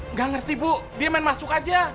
nggak ngerti bu dia main masuk aja